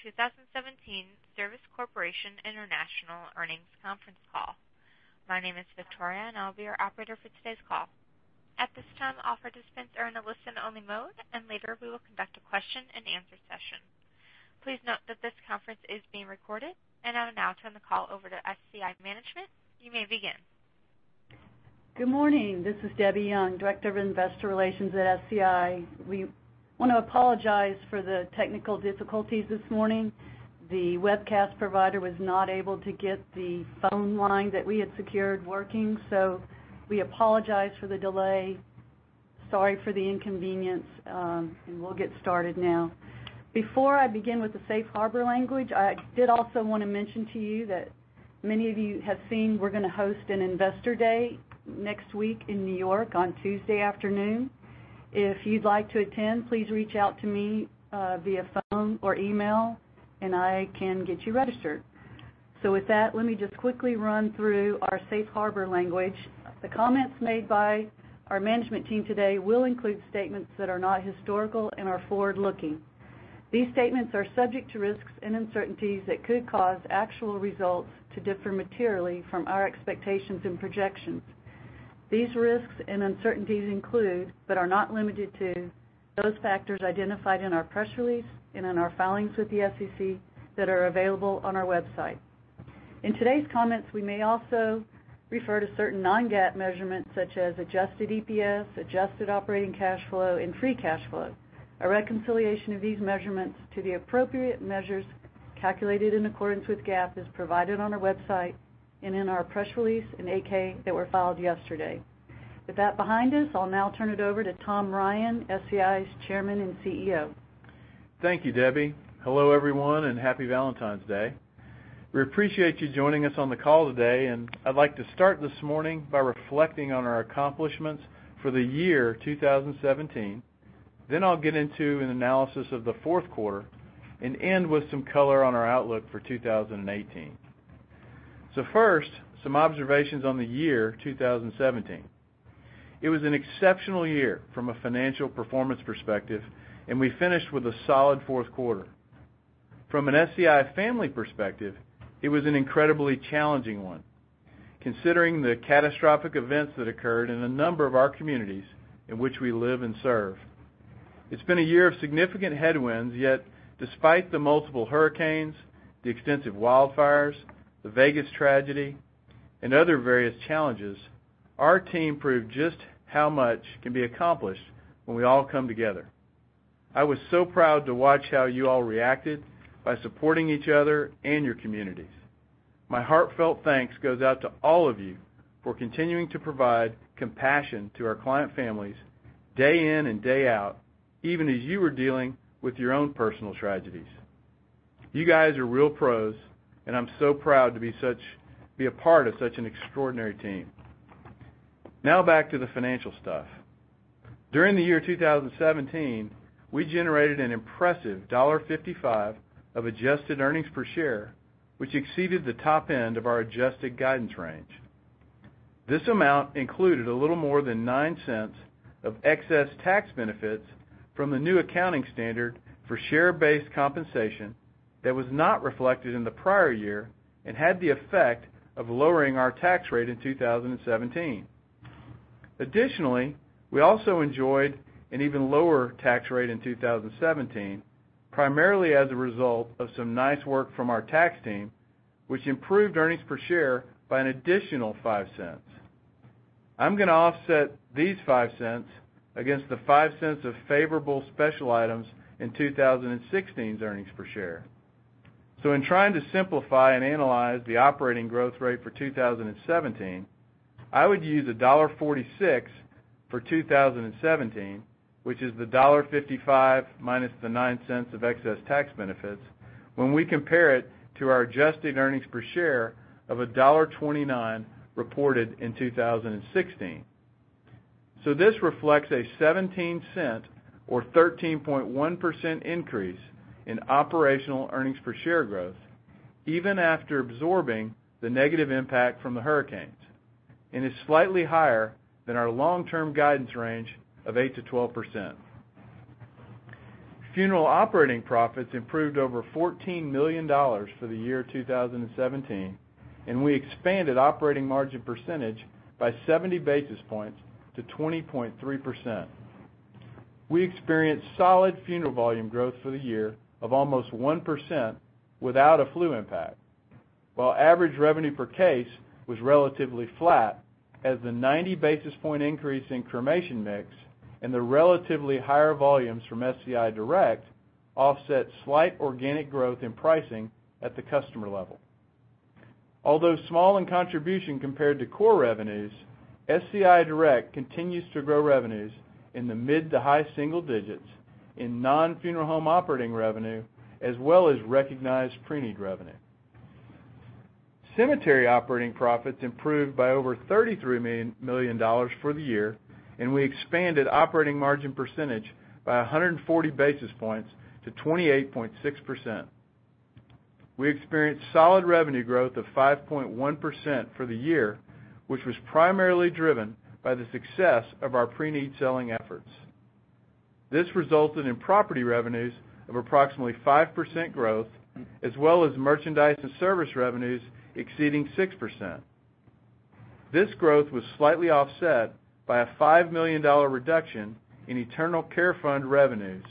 Welcome to the fourth quarter 2017 Service Corporation International earnings conference call. My name is Victoria, and I'll be your operator for today's call. At this time, all participants are in a listen-only mode. Later, we will conduct a question and answer session. Please note that this conference is being recorded. I will now turn the call over to SCI management. You may begin. Good morning. This is Debbie Young, Director of Investor Relations at SCI. We want to apologize for the technical difficulties this morning. The webcast provider was not able to get the phone line that we had secured working. We apologize for the delay. Sorry for the inconvenience. We'll get started now. Before I begin with the safe harbor language, I did also want to mention to you that many of you have seen we're going to host an investor day next week in New York on Tuesday afternoon. If you'd like to attend, please reach out to me via phone or email, and I can get you registered. With that, let me just quickly run through our safe harbor language. The comments made by our management team today will include statements that are not historical and are forward-looking. These statements are subject to risks and uncertainties that could cause actual results to differ materially from our expectations and projections. These risks and uncertainties include, but are not limited to, those factors identified in our press release and in our filings with the SEC that are available on our website. In today's comments, we may also refer to certain non-GAAP measurements such as adjusted EPS, adjusted operating cash flow, and free cash flow. A reconciliation of these measurements to the appropriate measures calculated in accordance with GAAP is provided on our website and in our press release and 8-K that were filed yesterday. With that behind us, I'll now turn it over to Tom Ryan, SCI's Chairman and CEO. Thank you, Debbie. Hello, everyone. Happy Valentine's Day. We appreciate you joining us on the call today. I'd like to start this morning by reflecting on our accomplishments for the year 2017. I'll get into an analysis of the fourth quarter and end with some color on our outlook for 2018. First, some observations on the year 2017. It was an exceptional year from a financial performance perspective. We finished with a solid fourth quarter. From an SCI family perspective, it was an incredibly challenging one, considering the catastrophic events that occurred in a number of our communities in which we live and serve. It's been a year of significant headwinds, yet despite the multiple hurricanes, the extensive wildfires, the Vegas tragedy, and other various challenges, our team proved just how much can be accomplished when we all come together. I was so proud to watch how you all reacted by supporting each other and your communities. My heartfelt thanks goes out to all of you for continuing to provide compassion to our client families day in and day out, even as you were dealing with your own personal tragedies. You guys are real pros, and I'm so proud to be a part of such an extraordinary team. Back to the financial stuff. During the year 2017, we generated an impressive $1.55 of adjusted earnings per share, which exceeded the top end of our adjusted guidance range. This amount included a little more than $0.09 of excess tax benefits from the new accounting standard for share-based compensation that was not reflected in the prior year and had the effect of lowering our tax rate in 2017. We also enjoyed an even lower tax rate in 2017, primarily as a result of some nice work from our tax team, which improved earnings per share by an additional $0.05. I'm going to offset these $0.05 against the $0.05 of favorable special items in 2016's earnings per share. In trying to simplify and analyze the operating growth rate for 2017, I would use $1.46 for 2017, which is the $1.55 minus the $0.09 of excess tax benefits when we compare it to our adjusted earnings per share of $1.29 reported in 2016. This reflects a $0.17 or 13.1% increase in operational earnings per share growth even after absorbing the negative impact from the hurricanes, and is slightly higher than our long-term guidance range of 8%-12%. Funeral operating profits improved over $14 million for the year 2017, and we expanded operating margin percentage by 70 basis points to 20.3%. We experienced solid funeral volume growth for the year of almost 1% without a flu impact. While average revenue per case was relatively flat as the 90 basis point increase in cremation mix and the relatively higher volumes from SCI Direct offset slight organic growth in pricing at the customer level. Although small in contribution compared to core revenues, SCI Direct continues to grow revenues in the mid to high single digits in non-funeral home operating revenue, as well as recognized preneed revenue. Cemetery operating profits improved by over $33 million for the year, and we expanded operating margin percentage by 140 basis points to 28.6%. We experienced solid revenue growth of 5.1% for the year, which was primarily driven by the success of our preneed selling efforts. This resulted in property revenues of approximately 5% growth, as well as merchandise and service revenues exceeding 6%. This growth was slightly offset by a $5 million reduction in endowment care fund revenues,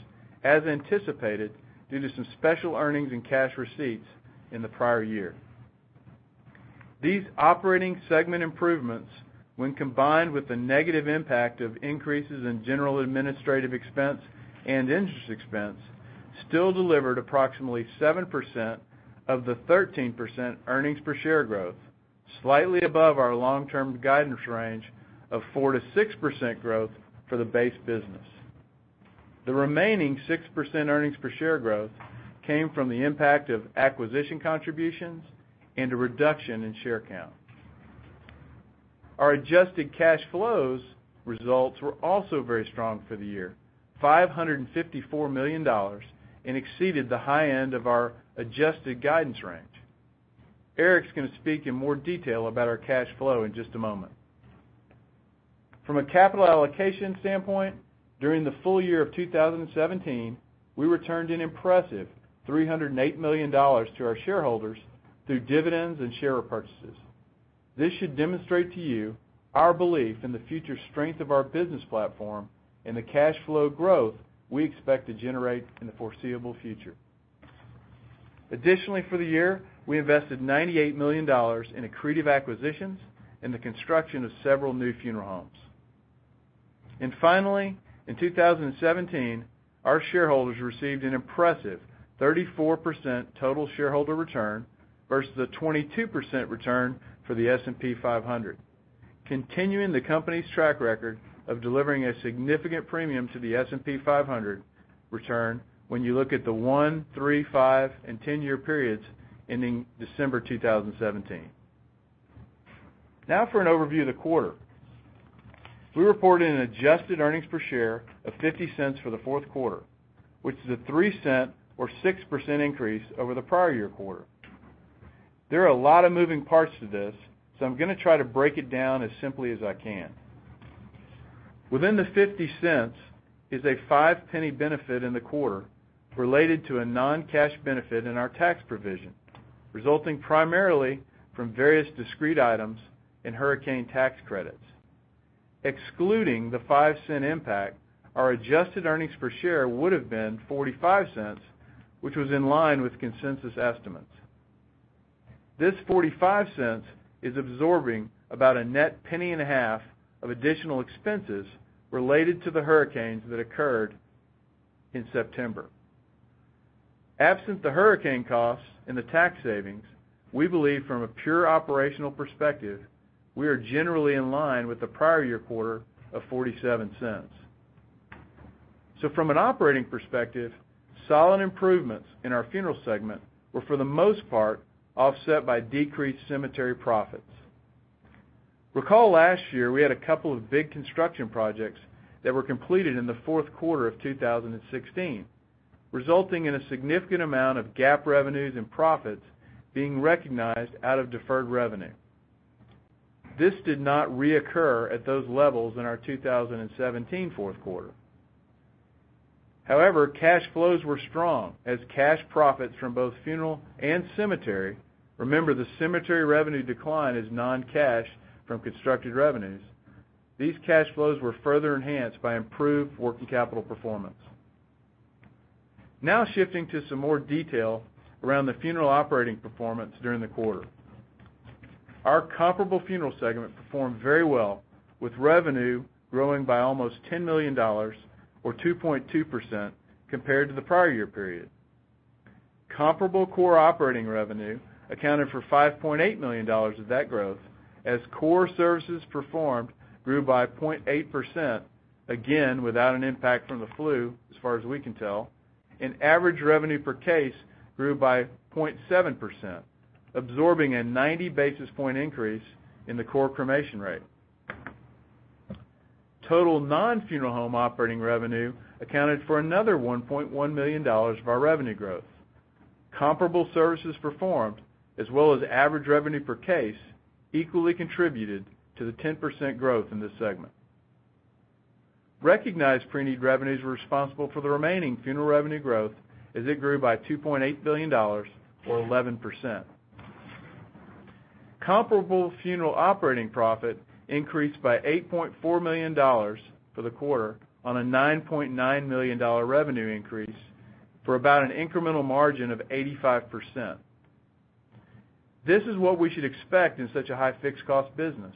as anticipated, due to some special earnings and cash receipts in the prior year. These operating segment improvements, when combined with the negative impact of increases in general administrative expense and interest expense, still delivered approximately 7% of the 13% earnings per share growth, slightly above our long-term guidance range of 4%-6% growth for the base business. The remaining 6% earnings per share growth came from the impact of acquisition contributions and a reduction in share count. Our adjusted cash flows results were also very strong for the year, $554 million, and exceeded the high end of our adjusted guidance range. Eric's going to speak in more detail about our cash flow in just a moment. From a capital allocation standpoint, during the full year of 2017, we returned an impressive $308 million to our shareholders through dividends and share repurchases. This should demonstrate to you our belief in the future strength of our business platform and the cash flow growth we expect to generate in the foreseeable future. Additionally, for the year, we invested $98 million in accretive acquisitions and the construction of several new funeral homes. Finally, in 2017, our shareholders received an impressive 34% total shareholder return versus a 22% return for the S&P 500, continuing the company's track record of delivering a significant premium to the S&P 500 return when you look at the one, three, five, and 10-year periods ending December 2017. Now for an overview of the quarter. We reported an adjusted earnings per share of $0.50 for the fourth quarter, which is a $0.03 or 6% increase over the prior year quarter. There are a lot of moving parts to this, so I'm going to try to break it down as simply as I can. Within the $0.50 is a $0.05 benefit in the quarter related to a non-cash benefit in our tax provision, resulting primarily from various discrete items and hurricane tax credits. Excluding the $0.05 impact, our adjusted earnings per share would have been $0.45, which was in line with consensus estimates. This $0.45 is absorbing about a net penny and a half of additional expenses related to the hurricanes that occurred in September. Absent the hurricane costs and the tax savings, we believe from a pure operational perspective, we are generally in line with the prior year quarter of $0.47. From an operating perspective, solid improvements in our funeral segment were, for the most part, offset by decreased cemetery profits. Recall last year, we had a couple of big construction projects that were completed in the fourth quarter of 2016, resulting in a significant amount of GAAP revenues and profits being recognized out of deferred revenue. This did not reoccur at those levels in our 2017 fourth quarter. However, cash flows were strong as cash profits from both funeral and cemetery. Remember, the cemetery revenue decline is non-cash from constructed revenues. These cash flows were further enhanced by improved working capital performance. Shifting to some more detail around the funeral operating performance during the quarter. Our comparable funeral segment performed very well with revenue growing by almost $10 million or 2.2% compared to the prior year period. Comparable core operating revenue accounted for $5.8 million of that growth as core services performed grew by 0.8%, again, without an impact from the flu, as far as we can tell. Average revenue per case grew by 0.7%, absorbing a 90 basis point increase in the core cremation rate. Total non-funeral home operating revenue accounted for another $1.1 million of our revenue growth. Comparable services performed as well as average revenue per case equally contributed to the 10% growth in this segment. Recognized preneed revenues were responsible for the remaining funeral revenue growth as it grew by $2.8 million or 11%. Comparable funeral operating profit increased by $8.4 million for the quarter on a $9.9 million revenue increase for about an incremental margin of 85%. This is what we should expect in such a high fixed cost business.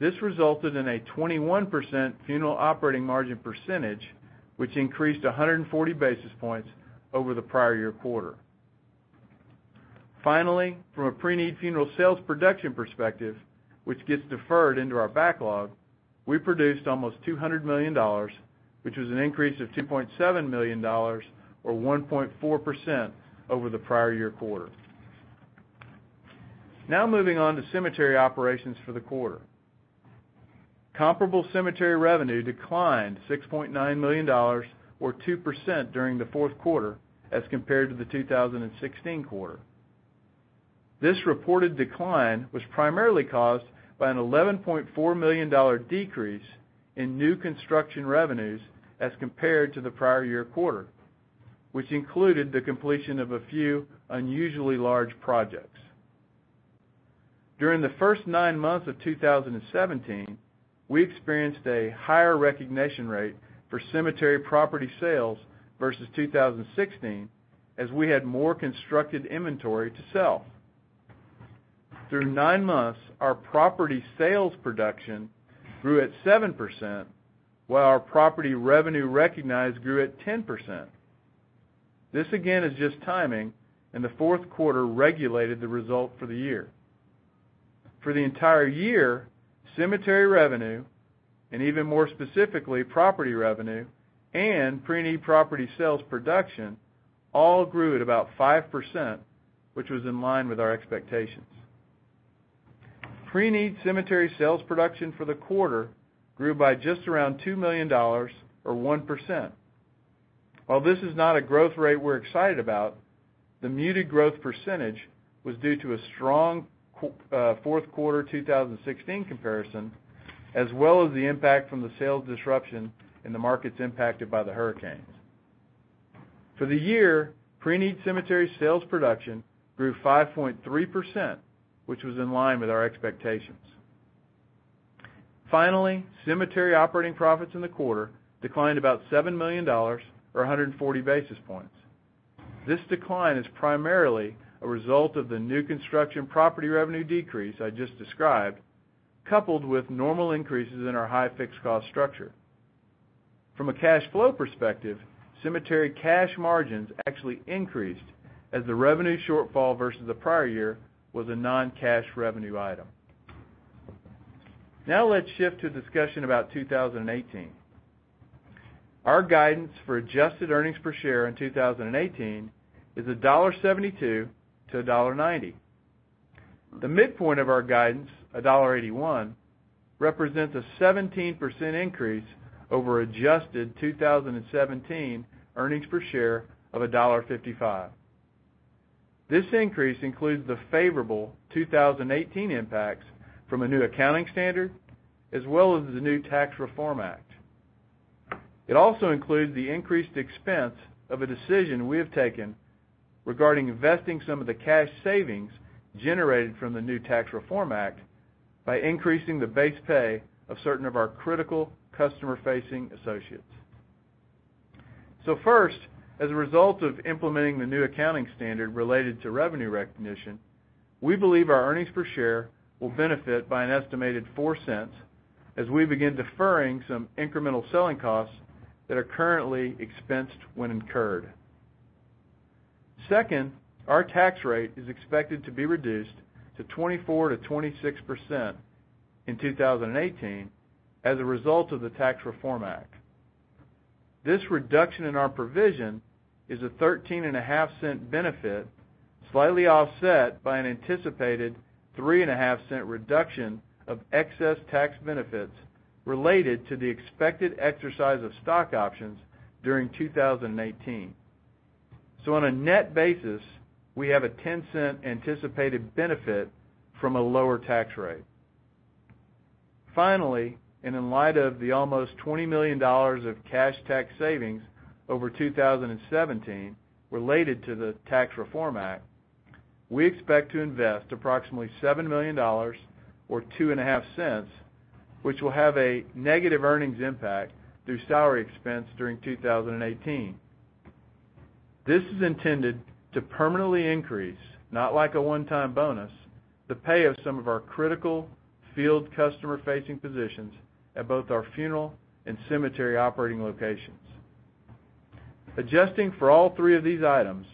This resulted in a 21% funeral operating margin percentage, which increased 140 basis points over the prior year quarter. Finally, from a preneed funeral sales production perspective, which gets deferred into our backlog, we produced almost $200 million, which was an increase of $2.7 million or 1.4% over the prior year quarter. Moving on to cemetery operations for the quarter. Comparable cemetery revenue declined $6.9 million, or 2%, during the fourth quarter as compared to the 2016 quarter. This reported decline was primarily caused by an $11.4 million decrease in new construction revenues as compared to the prior year quarter, which included the completion of a few unusually large projects. During the first nine months of 2017, we experienced a higher recognition rate for cemetery property sales versus 2016, as we had more constructed inventory to sell. Through nine months, our property sales production grew at 7%, while our property revenue recognized grew at 10%. This again is just timing, and the fourth quarter regulated the result for the year. For the entire year, cemetery revenue, and even more specifically, property revenue and preneed property sales production all grew at about 5%, which was in line with our expectations. Preneed cemetery sales production for the quarter grew by just around $2 million, or 1%. While this is not a growth rate we're excited about, the muted growth percentage was due to a strong fourth quarter 2016 comparison, as well as the impact from the sales disruption in the markets impacted by the hurricanes. For the year, preneed cemetery sales production grew 5.3%, which was in line with our expectations. Finally, cemetery operating profits in the quarter declined about $7 million, or 140 basis points. This decline is primarily a result of the new construction property revenue decrease I just described, coupled with normal increases in our high fixed cost structure. From a cash flow perspective, cemetery cash margins actually increased as the revenue shortfall versus the prior year was a non-cash revenue item. Let's shift to a discussion about 2018. Our guidance for adjusted earnings per share in 2018 is $1.72 to $1.90. The midpoint of our guidance, $1.81, represents a 17% increase over adjusted 2017 earnings per share of $1.55. This increase includes the favorable 2018 impacts from a new accounting standard, as well as the new Tax Reform Act. It also includes the increased expense of a decision we have taken regarding investing some of the cash savings generated from the new Tax Reform Act by increasing the base pay of certain of our critical customer-facing associates. First, as a result of implementing the new accounting standard related to revenue recognition, we believe our earnings per share will benefit by an estimated $0.04 as we begin deferring some incremental selling costs that are currently expensed when incurred. Second, our tax rate is expected to be reduced to 24%-26% in 2018 as a result of the Tax Reform Act. This reduction in our provision is a $0.135 benefit, slightly offset by an anticipated $0.035 reduction of excess tax benefits related to the expected exercise of stock options during 2018. On a net basis, we have a $0.10 anticipated benefit from a lower tax rate. In light of the almost $20 million of cash tax savings over 2017 related to the Tax Reform Act, we expect to invest approximately $7 million, or $0.025, which will have a negative earnings impact through salary expense during 2018. This is intended to permanently increase, not like a one-time bonus, the pay of some of our critical field customer-facing positions at both our funeral and cemetery operating locations. Adjusting for all three of these items,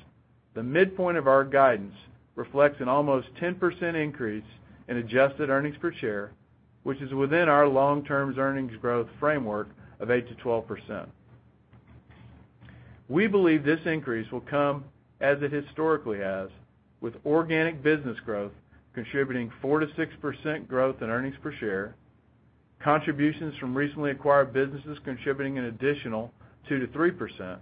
the midpoint of our guidance reflects an almost 10% increase in adjusted earnings per share, which is within our long-term earnings growth framework of 8%-12%. We believe this increase will come as it historically has, with organic business growth contributing 4%-6% growth in earnings per share, contributions from recently acquired businesses contributing an additional 2%-3%,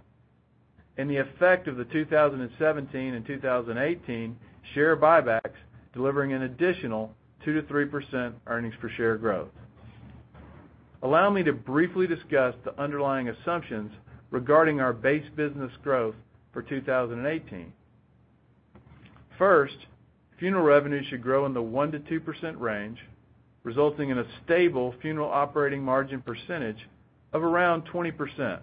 and the effect of the 2017 and 2018 share buybacks delivering an additional 2%-3% earnings per share growth. Allow me to briefly discuss the underlying assumptions regarding our base business growth for 2018. Funeral revenues should grow in the 1%-2% range, resulting in a stable funeral operating margin percentage of around 20%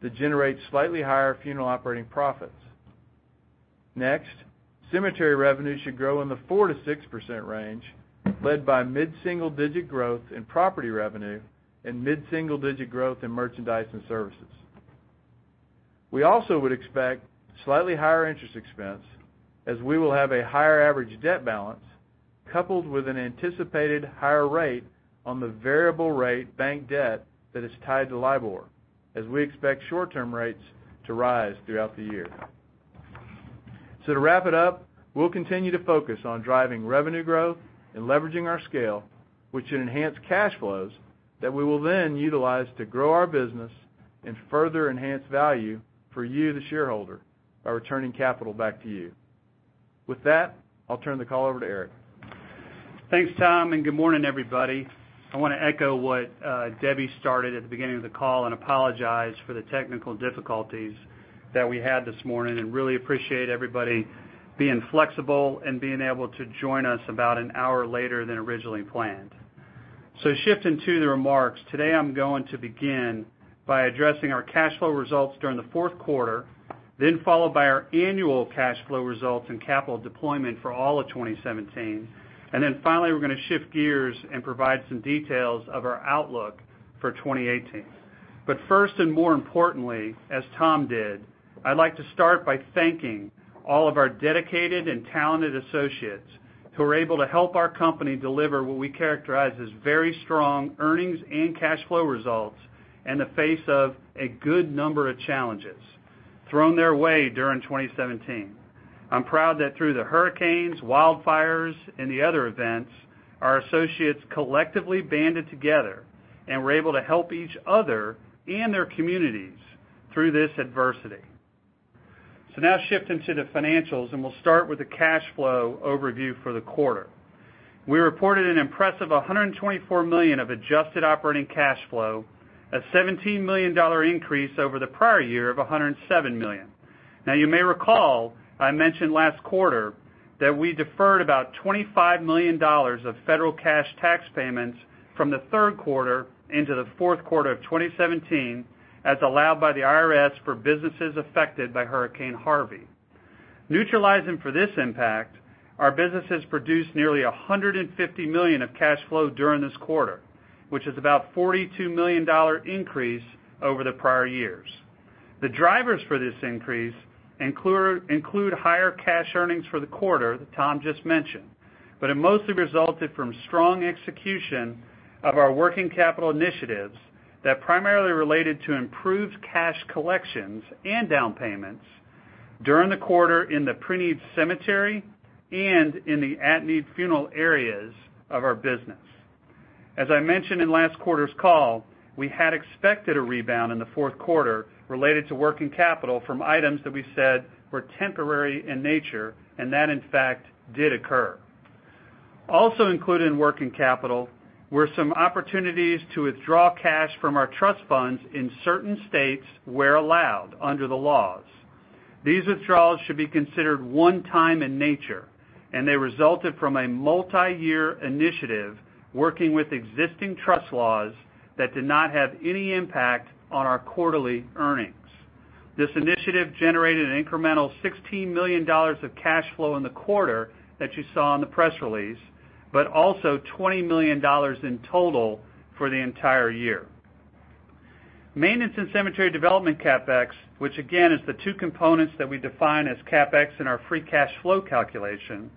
that generates slightly higher funeral operating profits. Cemetery revenues should grow in the 4%-6% range, led by mid-single-digit growth in property revenue and mid-single-digit growth in merchandise and services. We also would expect slightly higher interest expense as we will have a higher average debt balance coupled with an anticipated higher rate on the variable rate bank debt that is tied to LIBOR. As we expect short-term rates to rise throughout the year. To wrap it up, we'll continue to focus on driving revenue growth and leveraging our scale, which should enhance cash flows that we will then utilize to grow our business and further enhance value for you, the shareholder, by returning capital back to you. With that, I'll turn the call over to Eric. Thanks, Tom, good morning, everybody. I want to echo what Debbie started at the beginning of the call and apologize for the technical difficulties that we had this morning and really appreciate everybody being flexible and being able to join us about an hour later than originally planned. Shifting to the remarks, today I'm going to begin by addressing our cash flow results during the fourth quarter, followed by our annual cash flow results and capital deployment for all of 2017, finally, we're going to shift gears and provide some details of our outlook for 2018. First and more importantly, as Tom did, I'd like to start by thanking all of our dedicated and talented associates who were able to help our company deliver what we characterize as very strong earnings and cash flow results in the face of a good number of challenges thrown their way during 2017. I'm proud that through the hurricanes, wildfires, and the other events, our associates collectively banded together and were able to help each other and their communities through this adversity. Now shifting to the financials, and we'll start with the cash flow overview for the quarter. We reported an impressive $124 million of adjusted operating cash flow, a $17 million increase over the prior year of $107 million. You may recall, I mentioned last quarter that we deferred about $25 million of federal cash tax payments from the third quarter into the fourth quarter of 2017, as allowed by the IRS for businesses affected by Hurricane Harvey. Neutralizing for this impact, our business has produced nearly $150 million of cash flow during this quarter, which is about a $42 million increase over the prior years. The drivers for this increase include higher cash earnings for the quarter that Tom just mentioned, but it mostly resulted from strong execution of our working capital initiatives that primarily related to improved cash collections and down payments during the quarter in the preneed cemetery and in the at-need funeral areas of our business. As I mentioned in last quarter's call, we had expected a rebound in the fourth quarter related to working capital from items that we said were temporary in nature, and that in fact did occur. Also included in working capital were some opportunities to withdraw cash from our trust funds in certain states where allowed under the laws. These withdrawals should be considered one-time in nature, and they resulted from a multi-year initiative working with existing trust laws that did not have any impact on our quarterly earnings. This initiative generated an incremental $16 million of cash flow in the quarter that you saw in the press release, but also $20 million in total for the entire year. Maintenance and cemetery development CapEx, which again is the two components that we define as CapEx in our free cash flow calculation,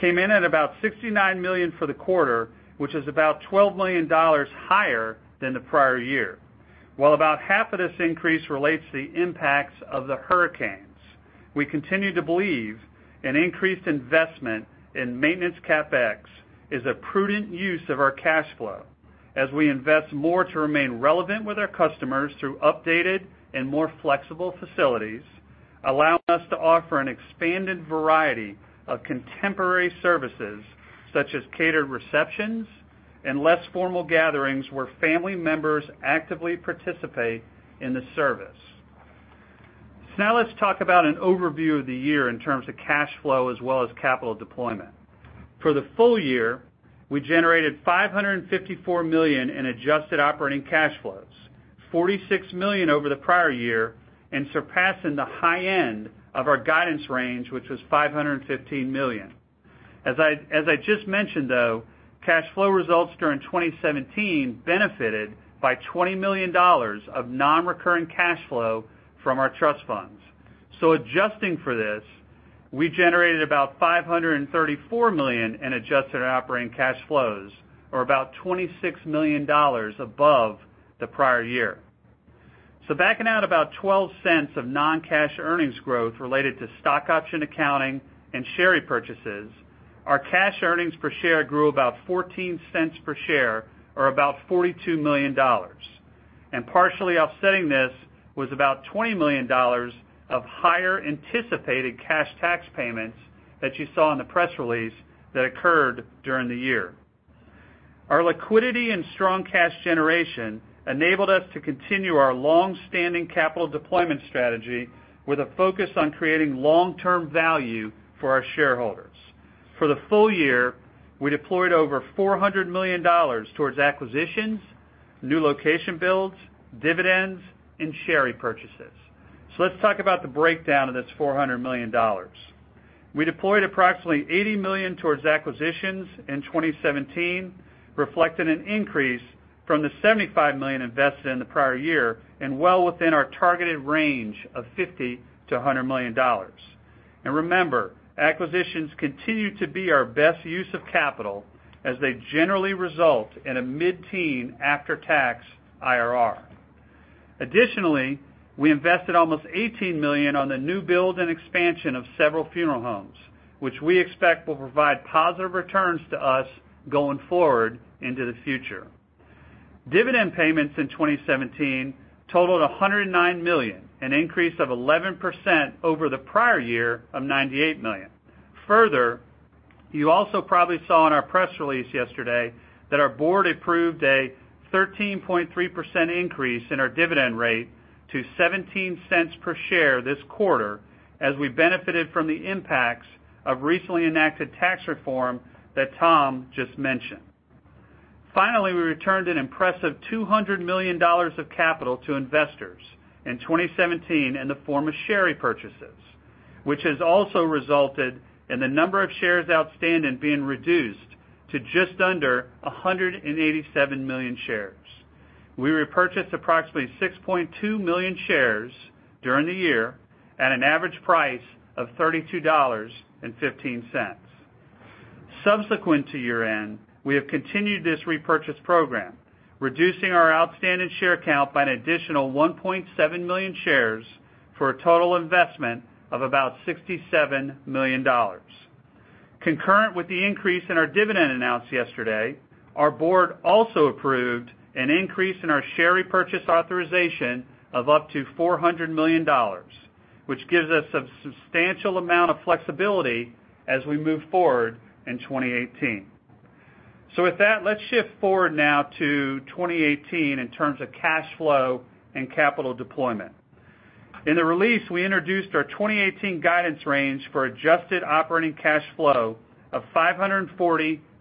came in at about $69 million for the quarter, which is about $12 million higher than the prior year. While about half of this increase relates to the impacts of the hurricanes, we continue to believe an increased investment in maintenance CapEx is a prudent use of our cash flow as we invest more to remain relevant with our customers through updated and more flexible facilities, allowing us to offer an expanded variety of contemporary services such as catered receptions and less formal gatherings where family members actively participate in the service. Now let's talk about an overview of the year in terms of cash flow as well as capital deployment. For the full year, we generated $554 million in adjusted operating cash flows, $46 million over the prior year, and surpassing the high end of our guidance range, which was $515 million. As I just mentioned, though, cash flow results during 2017 benefited by $20 million of non-recurring cash flow from our trust funds. Adjusting for this, we generated about $534 million in adjusted operating cash flows, or about $26 million above the prior year. Backing out about $0.12 of non-cash earnings growth related to stock option accounting and share repurchases, our cash earnings per share grew about $0.14 per share, or about $42 million. Partially offsetting this was about $20 million of higher anticipated cash tax payments that you saw in the press release that occurred during the year. Our liquidity and strong cash generation enabled us to continue our long-standing capital deployment strategy with a focus on creating long-term value for our shareholders. For the full year, we deployed over $400 million towards acquisitions, new location builds, dividends, and share repurchases. Let's talk about the breakdown of this $400 million. We deployed approximately $80 million towards acquisitions in 2017, reflecting an increase from the $75 million invested in the prior year and well within our targeted range of $50 million-$100 million. Remember, acquisitions continue to be our best use of capital as they generally result in a mid-teen after-tax IRR. Additionally, we invested almost $18 million on the new build and expansion of several funeral homes, which we expect will provide positive returns to us going forward into the future. Dividend payments in 2017 totaled $109 million, an increase of 11% over the prior year of $98 million. Further, you also probably saw in our press release yesterday that our board approved a 13.3% increase in our dividend rate to $0.17 per share this quarter as we benefited from the impacts of recently enacted tax reform that Tom just mentioned. Finally, we returned an impressive $200 million of capital to investors in 2017 in the form of share repurchases, which has also resulted in the number of shares outstanding being reduced to just under 187 million shares. We repurchased approximately 6.2 million shares during the year at an average price of $32.15. Subsequent to year-end, we have continued this repurchase program, reducing our outstanding share count by an additional 1.7 million shares for a total investment of about $67 million. Concurrent with the increase in our dividend announced yesterday, our board also approved an increase in our share repurchase authorization of up to $400 million, which gives us a substantial amount of flexibility as we move forward in 2018. With that, let's shift forward now to 2018 in terms of cash flow and capital deployment. In the release, we introduced our 2018 guidance range for adjusted operating cash flow of $540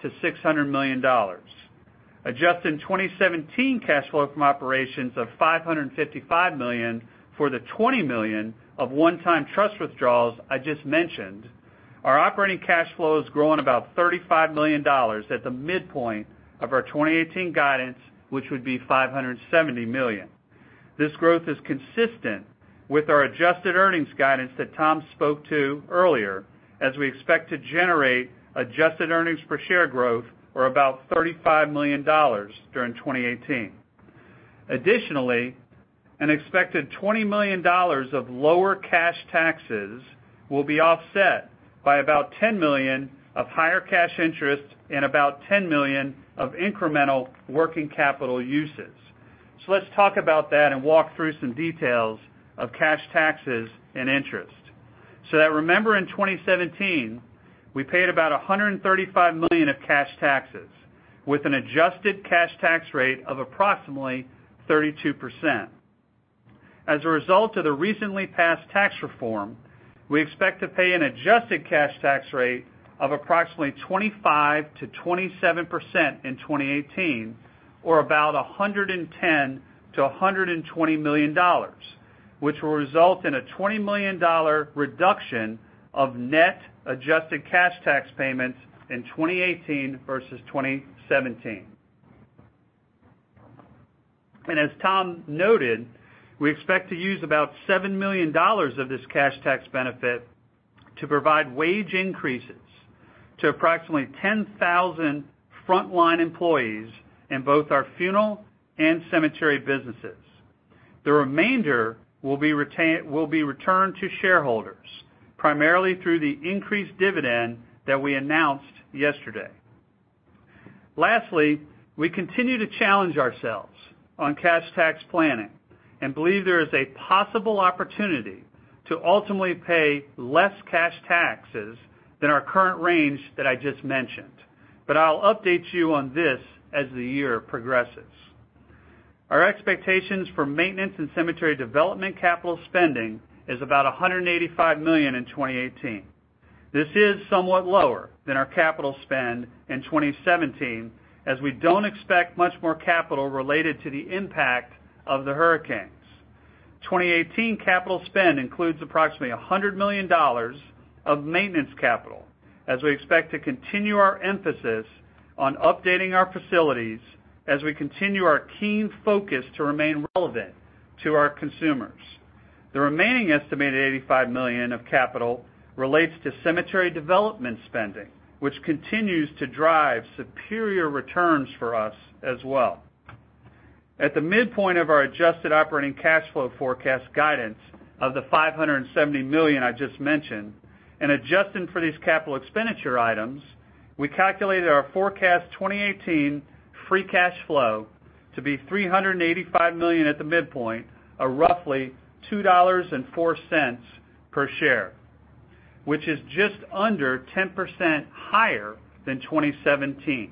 million-$600 million. Adjusting 2017 cash flow from operations of $555 million for the $20 million of one-time trust withdrawals I just mentioned, our operating cash flow is growing about $35 million at the midpoint of our 2018 guidance, which would be $570 million. This growth is consistent with our adjusted earnings guidance that Tom spoke to earlier, as we expect to generate adjusted earnings per share growth of about $35 million during 2018. Additionally, an expected $20 million of lower cash taxes will be offset by about $10 million of higher cash interest and about $10 million of incremental working capital uses. Let's talk about that and walk through some details of cash taxes and interest. Remember in 2017, we paid about $135 million of cash taxes with an adjusted cash tax rate of approximately 32%. As a result of the recently passed tax reform, we expect to pay an adjusted cash tax rate of approximately 25%-27% in 2018, or about $110 million-$120 million, which will result in a $20 million reduction of net adjusted cash tax payments in 2018 versus 2017. As Tom noted, we expect to use about $7 million of this cash tax benefit to provide wage increases to approximately 10,000 frontline employees in both our funeral and cemetery businesses. The remainder will be returned to shareholders, primarily through the increased dividend that we announced yesterday. Lastly, we continue to challenge ourselves on cash tax planning and believe there is a possible opportunity to ultimately pay less cash taxes than our current range that I just mentioned. I'll update you on this as the year progresses. Our expectations for maintenance and cemetery development capital spending is about $185 million in 2018. This is somewhat lower than our capital spend in 2017, as we don't expect much more capital related to the impact of the hurricanes. 2018 capital spend includes approximately $100 million of maintenance capital as we expect to continue our emphasis on updating our facilities as we continue our keen focus to remain relevant to our consumers. The remaining estimated $85 million of capital relates to cemetery development spending, which continues to drive superior returns for us as well. At the midpoint of our adjusted operating cash flow forecast guidance of the $570 million I just mentioned, and adjusting for these capital expenditure items, we calculated our forecast 2018 free cash flow to be $385 million at the midpoint, or roughly $2.04 per share, which is just under 10% higher than 2017.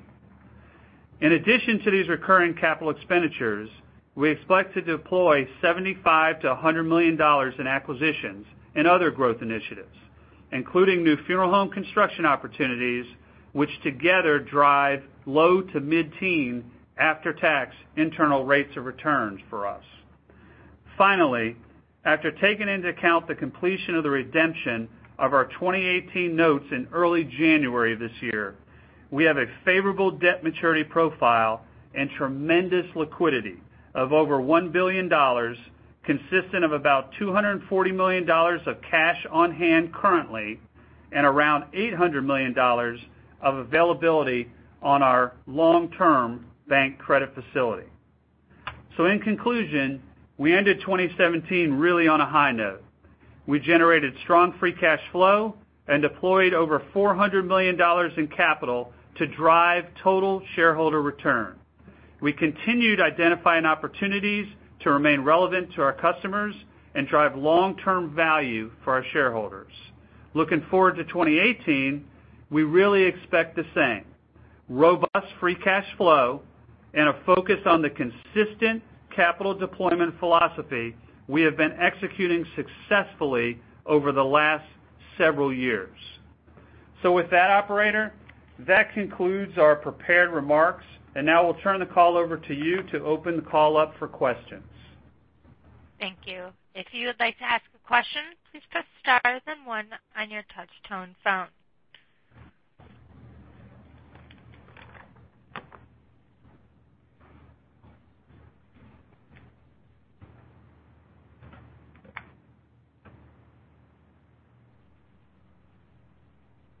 In addition to these recurring capital expenditures, we expect to deploy $75 million-$100 million in acquisitions and other growth initiatives, including new funeral home construction opportunities, which together drive low to mid-teen after-tax internal rates of returns for us. Finally, after taking into account the completion of the redemption of our 2018 notes in early January this year. We have a favorable debt maturity profile and tremendous liquidity of over $1 billion, consistent of about $240 million of cash on hand currently, and around $800 million of availability on our long-term bank credit facility. In conclusion, we ended 2017 really on a high note. We generated strong free cash flow and deployed over $400 million in capital to drive total shareholder return. We continued identifying opportunities to remain relevant to our customers and drive long-term value for our shareholders. Looking forward to 2018, we really expect the same. Robust free cash flow and a focus on the consistent capital deployment philosophy we have been executing successfully over the last several years. With that, operator, that concludes our prepared remarks, and now we'll turn the call over to you to open the call up for questions. Thank you. If you would like to ask a question, please press star then one on your touch tone phone.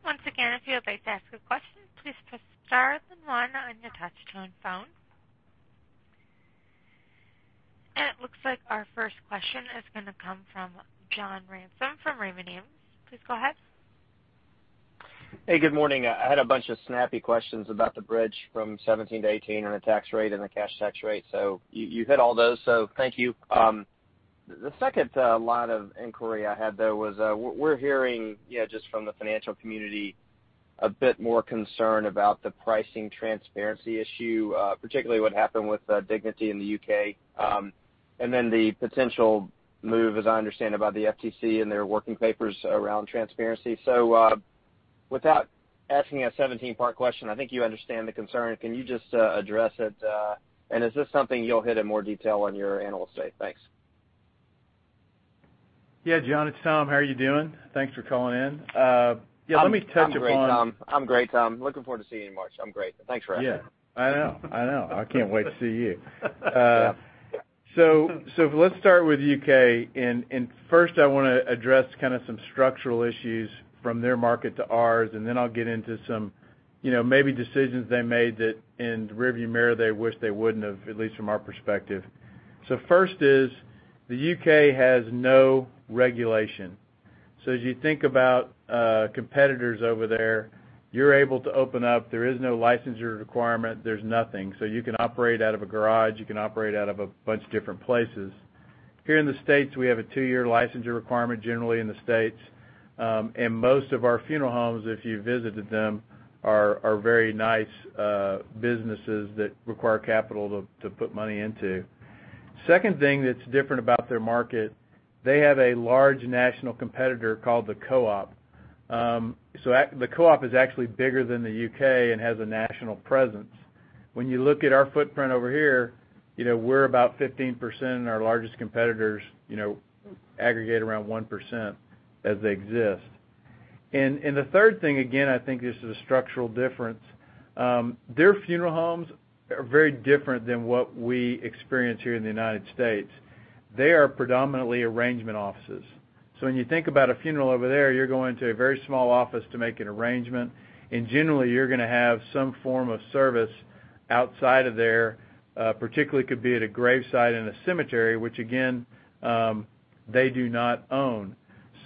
Once again, if you would like to ask a question, please press star then one on your touch tone phone. It looks like our first question is going to come from John Ransom from Raymond James. Please go ahead. Hey, good morning. I had a bunch of snappy questions about the bridge from 2017 to 2018 and the tax rate and the cash tax rate. You hit all those, so thank you. The second line of inquiry I had, though, was we're hearing, just from the financial community, a bit more concern about the pricing transparency issue, particularly what happened with Dignity in the U.K., and then the potential move, as I understand, about the FTC and their working papers around transparency. Without asking a 17-part question, I think you understand the concern. Can you just address it? Is this something you'll hit in more detail on your annual statement? Thanks. Yeah, John, it's Tom. How are you doing? Thanks for calling in. I'm great, Tom. Looking forward to seeing you in March. I'm great. Thanks for asking. Yeah. I know. I can't wait to see you. Yeah. Let's start with U.K., First I want to address some structural issues from their market to ours, then I'll get into some maybe decisions they made that in the rearview mirror, they wish they wouldn't have, at least from our perspective. First is, the U.K. has no regulation. As you think about competitors over there, you're able to open up. There is no licensure requirement. There's nothing. You can operate out of a garage. You can operate out of a bunch of different places. Here in the U.S., we have a two-year licensure requirement, generally in the U.S. Most of our funeral homes, if you visited them, are very nice businesses that require capital to put money into. Second thing that's different about their market, they have a large national competitor called the Co-op. The Co-op is actually bigger than the U.K. and has a national presence. When you look at our footprint over here, we're about 15%, and our largest competitors aggregate around 1% as they exist. The third thing, again, I think this is a structural difference. Their funeral homes are very different than what we experience here in the U.S. They are predominantly arrangement offices. When you think about a funeral over there, you're going to a very small office to make an arrangement. Generally, you're going to have some form of service outside of there, particularly could be at a gravesite in a cemetery, which again, they do not own.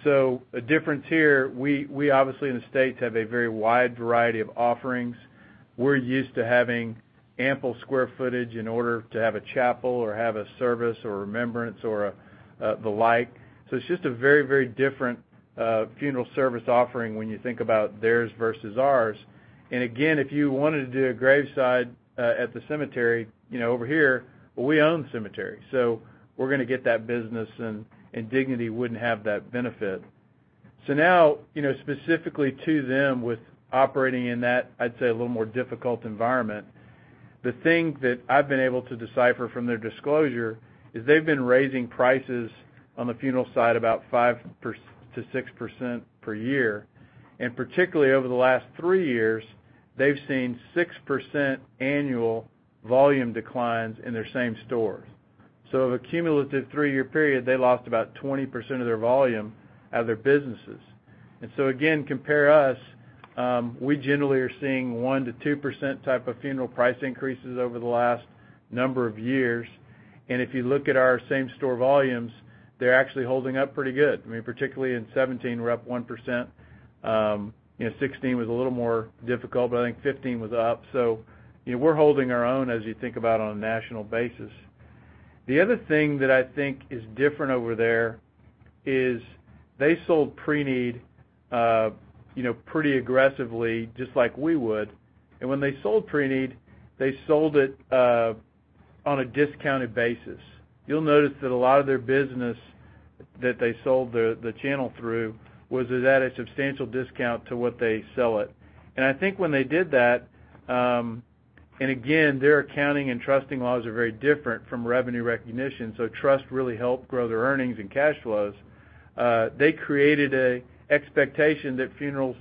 A difference here, we obviously in the U.S. have a very wide variety of offerings. We're used to having ample square footage in order to have a chapel or have a service or remembrance or the like. It's just a very different funeral service offering when you think about theirs versus ours. Again, if you wanted to do a graveside at the cemetery over here, well, we own the cemetery. We're going to get that business, and Dignity wouldn't have that benefit. Now, specifically to them with operating in that, I'd say, a little more difficult environment, the thing that I've been able to decipher from their disclosure is they've been raising prices on the funeral side about 5%-6% per year. Particularly over the last three years, they've seen 6% annual volume declines in their same stores. Over a cumulative three-year period, they lost about 20% of their volume out of their businesses. Again, compare us, we generally are seeing 1%-2% type of funeral price increases over the last number of years. If you look at our same store volumes, they're actually holding up pretty good. Particularly in 2017, we're up 1%. 2016 was a little more difficult, I think 2015 was up. We're holding our own as you think about on a national basis. The other thing that I think is different over there is they sold preneed pretty aggressively, just like we would. When they sold preneed, they sold it on a discounted basis. You'll notice that a lot of their business that they sold the channel through was at a substantial discount to what they sell it. I think when they did that, again, their accounting and trusting laws are very different from revenue recognition, trust really helped grow their earnings and cash flows. They created an expectation that funerals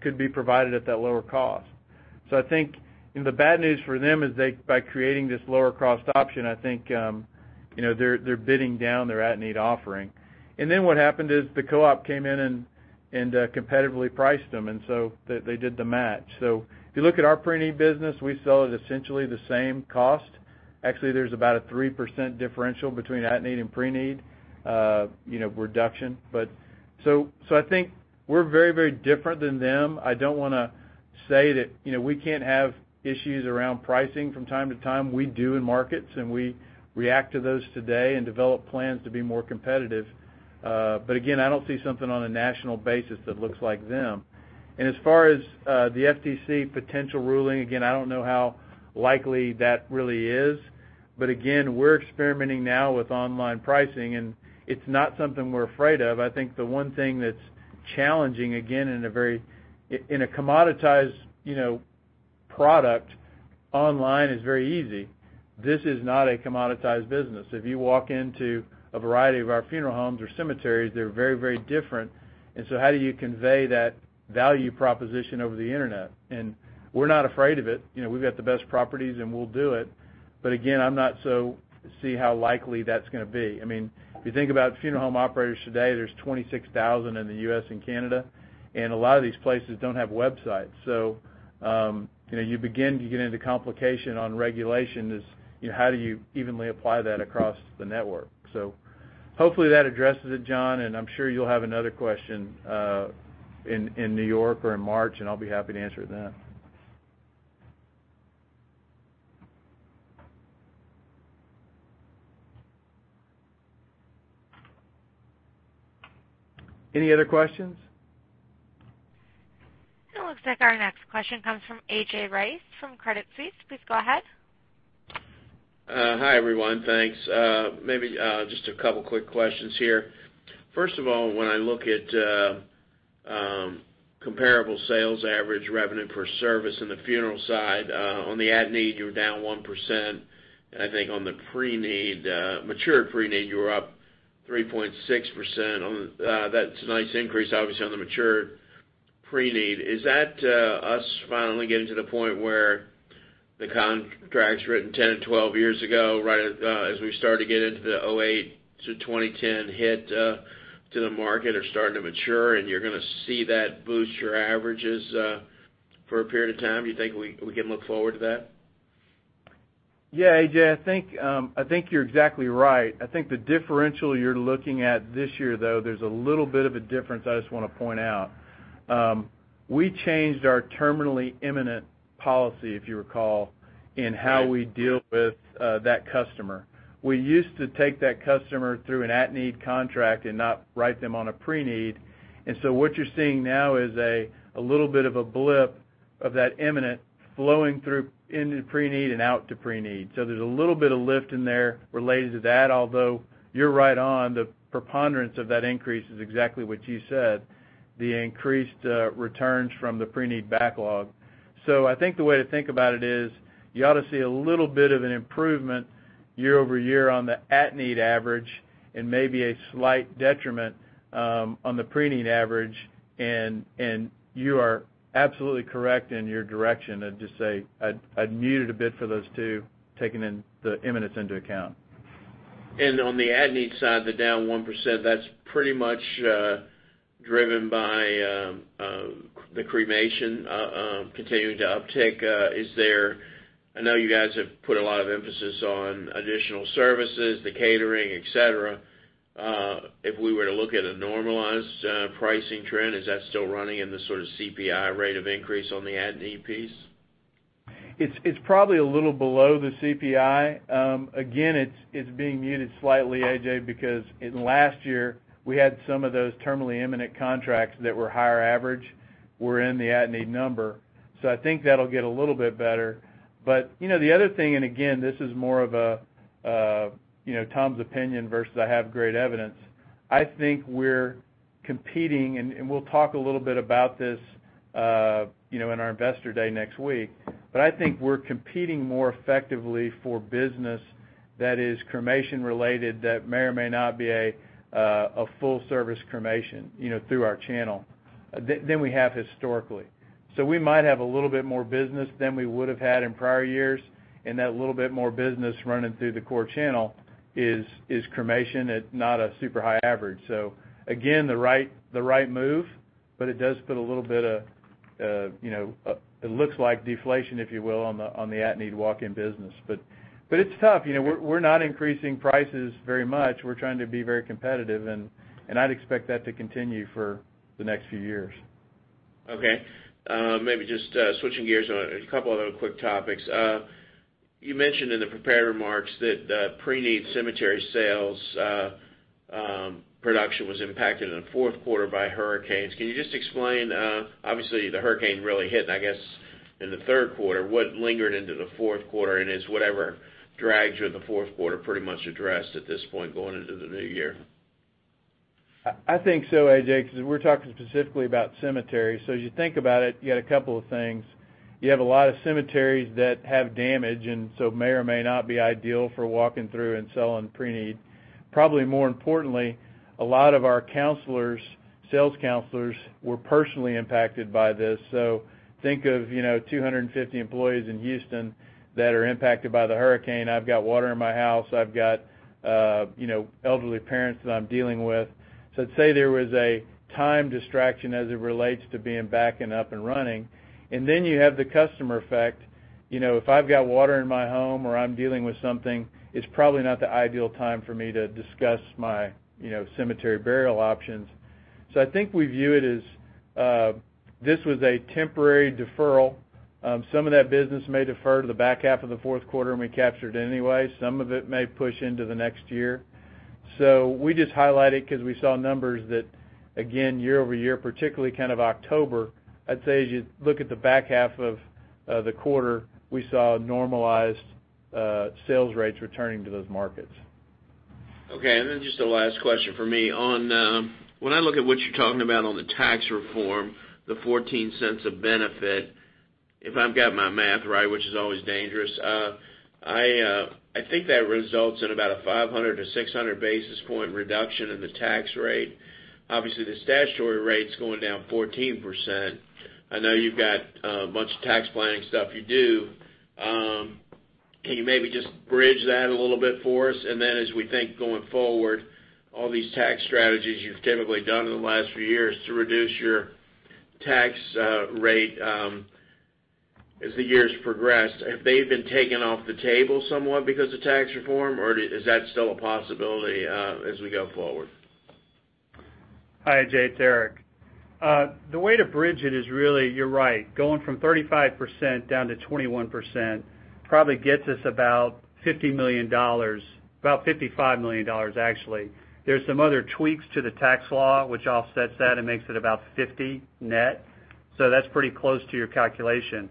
could be provided at that lower cost. I think, the bad news for them is by creating this lower cost option, I think they're bidding down their at-need offering. What happened is the Co-op came in and competitively priced them, they did the match. If you look at our preneed business, we sell at essentially the same cost. Actually, there's about a 3% differential between at-need and preneed reduction. I think we're very different than them. I don't want to say that we can't have issues around pricing from time to time. We do in markets, and we react to those today and develop plans to be more competitive. Again, I don't see something on a national basis that looks like them. As far as the FTC potential ruling, again, I don't know how likely that really is. Again, we're experimenting now with online pricing, and it's not something we're afraid of. I think the one thing that's challenging, again, in a commoditized product, online is very easy. This is not a commoditized business. If you walk into a variety of our funeral homes or cemeteries, they're very different. How do you convey that value proposition over the Internet? We're not afraid of it. We've got the best properties and we'll do it. Again, see how likely that's going to be. If you think about funeral home operators today, there's 26,000 in the U.S. and Canada, and a lot of these places don't have websites. You begin to get into complication on regulation is, how do you evenly apply that across the network? Hopefully that addresses it, John, and I'm sure you'll have another question in New York or in March, and I'll be happy to answer it then. Any other questions? It looks like our next question comes from A.J. Rice from Credit Suisse. Please go ahead. Hi, everyone. Thanks. Maybe just a couple quick questions here. First of all, when I look at comparable sales average revenue per service in the funeral side, on the at-need, you're down 1%. I think on the matured preneed, you were up 3.6%. That's a nice increase, obviously, on the mature preneed. Is that us finally getting to the point where the contracts written 10 and 12 years ago, right as we started to get into the 2008-2010 hit to the market, are starting to mature, and you're going to see that boost your averages for a period of time? Do you think we can look forward to that? Yeah, A.J., I think you're exactly right. I think the differential you're looking at this year, though, there's a little bit of a difference I just want to point out. We changed our terminally imminent policy, if you recall, in how we deal with that customer. We used to take that customer through an at-need contract and not write them on a preneed. What you're seeing now is a little bit of a blip of that imminent flowing through into preneed and out to preneed. There's a little bit of lift in there related to that. Although, you're right on. The preponderance of that increase is exactly what you said, the increased returns from the preneed backlog. I think the way to think about it is you ought to see a little bit of an improvement year-over-year on the at-need average and maybe a slight detriment on the preneed average. You are absolutely correct in your direction. I'd just say I'd mute it a bit for those two, taking the imminence into account. On the at-need side, the down 1%, that's pretty much driven by the cremation continuing to uptick. I know you guys have put a lot of emphasis on additional services, the catering, et cetera. If we were to look at a normalized pricing trend, is that still running in the sort of CPI rate of increase on the at-need piece? It's probably a little below the CPI. Again, it's being muted slightly, A.J., because in last year, we had some of those terminally imminent contracts that were higher average were in the at-need number. I think that'll get a little bit better. The other thing, and again, this is more of Tom's opinion versus I have great evidence. I think we're competing, and we'll talk a little bit about this in our investor day next week, but I think we're competing more effectively for business that is cremation-related that may or may not be a full-service cremation through our channel than we have historically. We might have a little bit more business than we would have had in prior years, and that little bit more business running through the core channel is cremation at not a super high average. Again, the right move, but it does look like deflation, if you will, on the at-need walk-in business. It's tough. We're not increasing prices very much. We're trying to be very competitive, and I'd expect that to continue for the next few years. Okay. Maybe just switching gears on a couple other quick topics. You mentioned in the prepared remarks that preneed cemetery sales production was impacted in the fourth quarter by hurricanes. Can you just explain, obviously, the hurricane really hit, and I guess in the third quarter. What lingered into the fourth quarter, and is whatever dragged you in the fourth quarter pretty much addressed at this point going into the new year? I think so, A.J., because we're talking specifically about cemeteries. As you think about it, you got a couple of things. You have a lot of cemeteries that have damage, and may or may not be ideal for walking through and selling preneed. Probably more importantly, a lot of our sales counselors were personally impacted by this. Think of 250 employees in Houston that are impacted by the hurricane. I've got water in my house. I've got elderly parents that I'm dealing with. Say there was a time distraction as it relates to being back and up and running, and then you have the customer effect. If I've got water in my home or I'm dealing with something, it's probably not the ideal time for me to discuss my cemetery burial options. I think we view it as, this was a temporary deferral. Some of that business may defer to the back half of the fourth quarter, and we capture it anyway. Some of it may push into the next year. We just highlight it because we saw numbers that, again, year-over-year, particularly October, I'd say as you look at the back half of the quarter, we saw normalized sales rates returning to those markets. Okay. Just the last question from me. When I look at what you're talking about on the Tax Reform, the $0.14 of benefit, if I've got my math right, which is always dangerous, I think that results in about a 500- to 600-basis-point reduction in the tax rate. Obviously, the statutory rate's going down 14%. I know you've got a bunch of tax planning stuff you do. Can you maybe just bridge that a little bit for us? As we think going forward, all these tax strategies you've typically done in the last few years to reduce your tax rate as the years progressed, have they been taken off the table somewhat because of Tax Reform, or is that still a possibility as we go forward? Hi, A.J. It's Eric. The way to bridge it is really, you're right. Going from 35% down to 21% probably gets us about $50 million, about $55 million, actually. There's some other tweaks to the tax law, which offsets that and makes it about 50 net. That's pretty close to your calculation.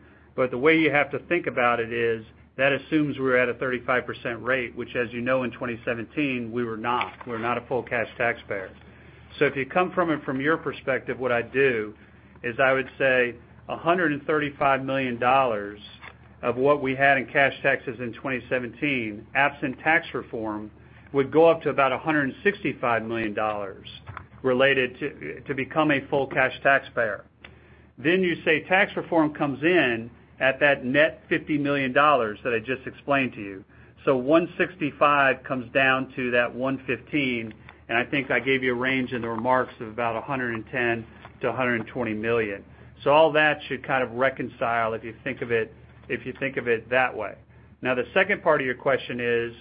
The way you have to think about it is, that assumes we're at a 35% rate, which as you know, in 2017, we were not. We're not a full cash taxpayer. If you come from it from your perspective, what I'd do is I would say $135 million of what we had in cash taxes in 2017, absent Tax Reform, would go up to about $165 million related to become a full cash taxpayer. You say Tax Reform comes in at that net $50 million that I just explained to you. 165 comes down to that 115, and I think I gave you a range in the remarks of about $110 million-$120 million. All that should kind of reconcile if you think of it that way. The second part of your question is,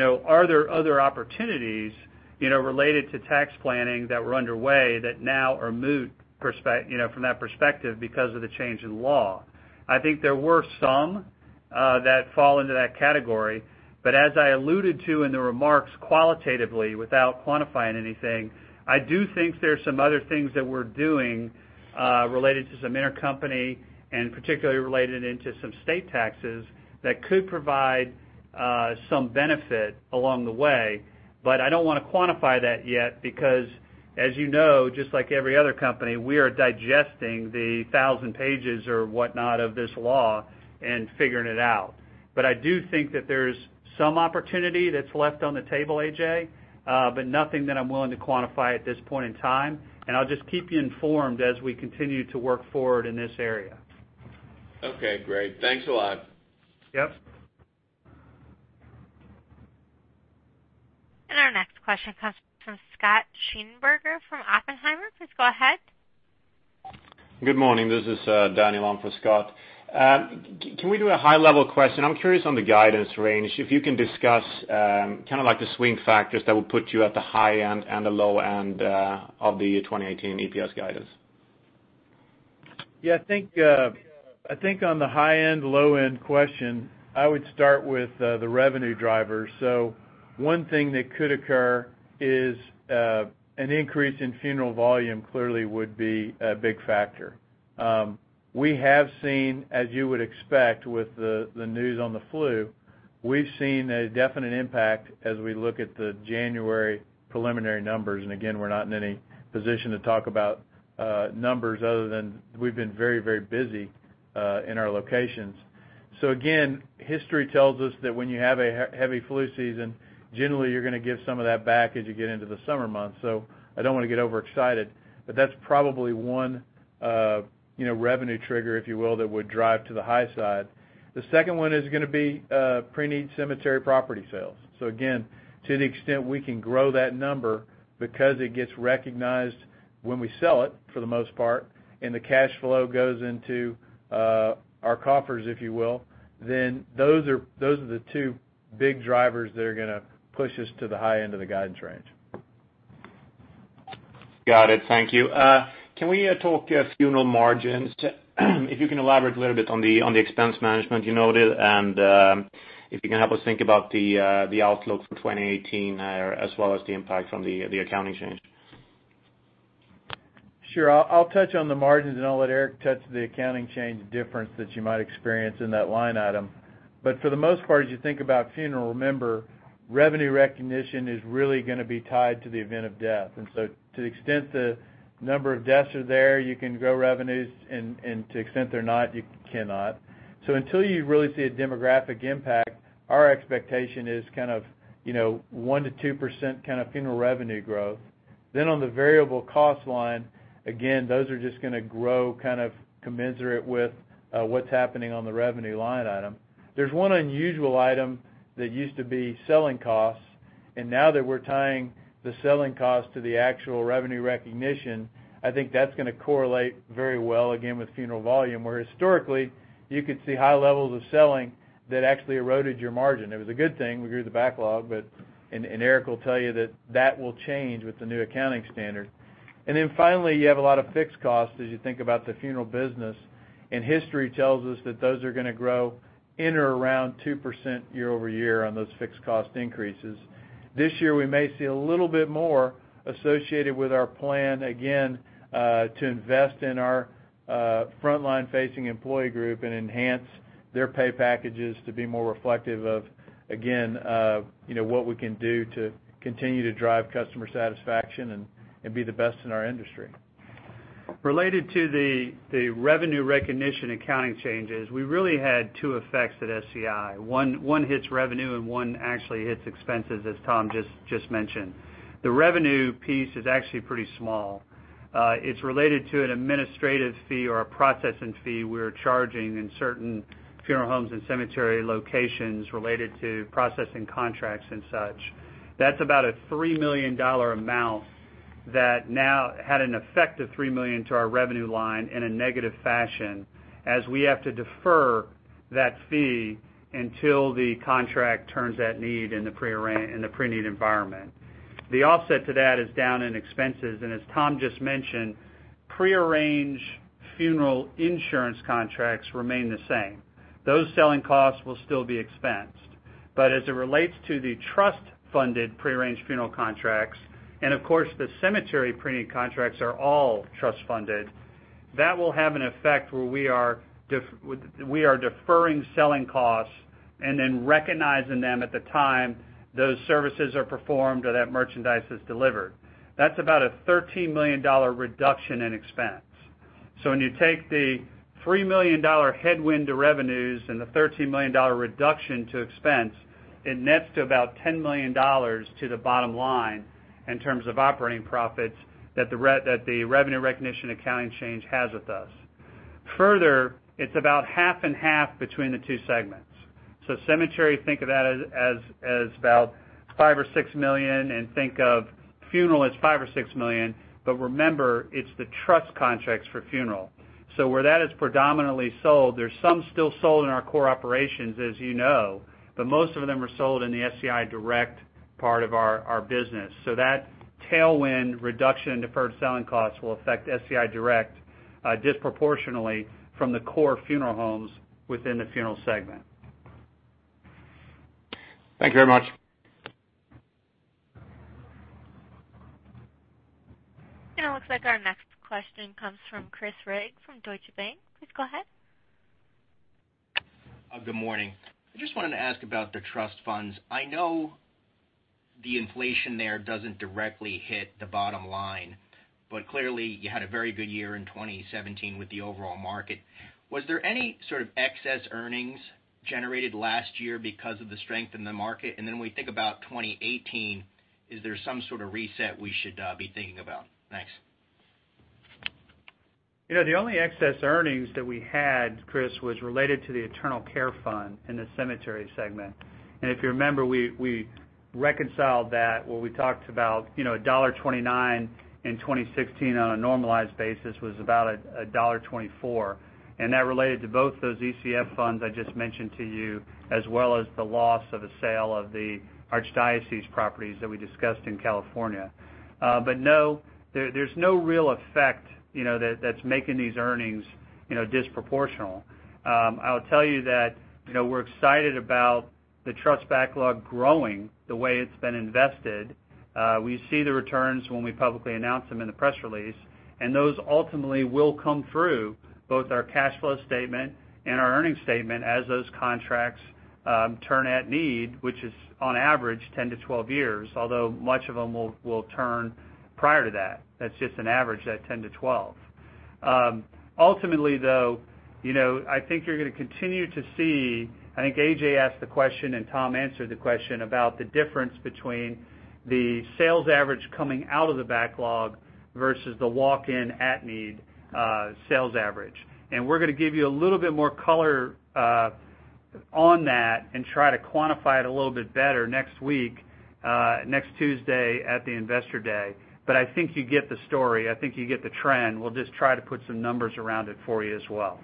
are there other opportunities related to tax planning that were underway that now are moot from that perspective because of the change in law? I think there were some that fall into that category, as I alluded to in the remarks qualitatively, without quantifying anything, I do think there's some other things that we're doing related to some intercompany and particularly related into some state taxes that could provide some benefit along the way. I don't want to quantify that yet because, as you know, just like every other company, we are digesting the 1,000 pages or whatnot of this law and figuring it out. I do think that there's some opportunity that's left on the table, A.J., nothing that I'm willing to quantify at this point in time. I'll just keep you informed as we continue to work forward in this area. Great. Thanks a lot. Yep. Our next question comes from Scott Schneeberger from Oppenheimer. Please go ahead. Good morning. This is Daniel on for Scott. Can we do a high-level question? I'm curious on the guidance range, if you can discuss the swing factors that will put you at the high end and the low end of the 2018 EPS guidance. Yeah, I think on the high-end, low-end question, I would start with the revenue drivers. One thing that could occur is an increase in funeral volume clearly would be a big factor. We have seen, as you would expect with the news on the flu, we've seen a definite impact as we look at the January preliminary numbers. Again, we're not in any position to talk about numbers other than we've been very busy in our locations. Again, history tells us that when you have a heavy flu season, generally you're going to give some of that back as you get into the summer months. I don't want to get overexcited, but that's probably one revenue trigger, if you will, that would drive to the high side. The second one is going to be preneed cemetery property sales. Again, to the extent we can grow that number because it gets recognized when we sell it, for the most part, and the cash flow goes into our coffers, if you will, then those are the two big drivers that are going to push us to the high end of the guidance range. Got it. Thank you. Can we talk funeral margins? If you can elaborate a little bit on the expense management you noted, and if you can help us think about the outlook for 2018, as well as the impact from the accounting change. Sure. I'll touch on the margins, I'll let Eric touch the accounting change difference that you might experience in that line item. For the most part, as you think about funeral, remember, revenue recognition is really going to be tied to the event of death. To the extent the number of deaths are there, you can grow revenues, to the extent they're not, you cannot. Until you really see a demographic impact, our expectation is kind of 1%-2% kind of funeral revenue growth. On the variable cost line, again, those are just going to grow kind of commensurate with what's happening on the revenue line item. There's one unusual item that used to be selling costs, now that we're tying the selling cost to the actual revenue recognition, I think that's going to correlate very well, again, with funeral volume, where historically you could see high levels of selling that actually eroded your margin. It was a good thing. We grew the backlog, Eric will tell you that that will change with the new accounting standard. Finally, you have a lot of fixed costs as you think about the funeral business. History tells us that those are going to grow in or around 2% year-over-year on those fixed cost increases. This year, we may see a little bit more associated with our plan, again, to invest in our frontline facing employee group and enhance their pay packages to be more reflective of, again, what we can do to continue to drive customer satisfaction and be the best in our industry. Related to the revenue recognition accounting changes, we really had two effects at SCI. One hits revenue, one actually hits expenses, as Tom just mentioned. The revenue piece is actually pretty small. It's related to an administrative fee or a processing fee we're charging in certain funeral homes and cemetery locations related to processing contracts and such. That's about a $3 million amount that now had an effect of $3 million to our revenue line in a negative fashion as we have to defer that fee until the contract turns that need in the preneed environment. The offset to that is down in expenses, as Tom just mentioned, pre-arranged funeral insurance contracts remain the same. Those selling costs will still be expensed. As it relates to the trust-funded pre-arranged funeral contracts, and of course, the cemetery preneed contracts are all trust funded, that will have an effect where we are deferring selling costs and then recognizing them at the time those services are performed or that merchandise is delivered. That is about a $13 million reduction in expense. When you take the $3 million headwind to revenues and the $13 million reduction to expense, it nets to about $10 million to the bottom line in terms of operating profits that the revenue recognition accounting change has with us. It is about half and half between the two segments. Cemetery, think of that as about 5 or 6 million, and think of funeral as 5 or 6 million. Remember, it is the trust contracts for funeral. Where that is predominantly sold, there is some still sold in our core operations, as you know, but most of them are sold in the SCI Direct part of our business. That tailwind reduction in deferred selling costs will affect SCI Direct disproportionately from the core funeral homes within the funeral segment. Thank you very much. It looks like our next question comes from Chris Rigg from Deutsche Bank. Please go ahead. Good morning. I just wanted to ask about the trust funds. I know the inflation there doesn't directly hit the bottom line, but clearly you had a very good year in 2017 with the overall market. Was there any sort of excess earnings generated last year because of the strength in the market? When we think about 2018, is there some sort of reset we should be thinking about? Thanks. The only excess earnings that we had, Chris, was related to the endowment care fund in the cemetery segment. If you remember, we reconciled that where we talked about, $1.29 in 2016 on a normalized basis was about $1.24. That related to both those ECF funds I just mentioned to you, as well as the loss of a sale of the Archdiocese properties that we discussed in California. No, there's no real effect that's making these earnings disproportional. I'll tell you that we're excited about the trust backlog growing the way it's been invested. We see the returns when we publicly announce them in the press release, and those ultimately will come through both our cash flow statement and our earnings statement as those contracts turn at need, which is on average 10 to 12 years, although much of them will turn prior to that. That's just an average, that 10 to 12. Ultimately, though, I think you're going to continue to see I think A.J asked the question, and Tom answered the question about the difference between the sales average coming out of the backlog versus the walk-in at need sales average. We're going to give you a little bit more color on that and try to quantify it a little bit better next week, next Tuesday at the Investor Day. I think you get the story. I think you get the trend. We'll just try to put some numbers around it for you as well.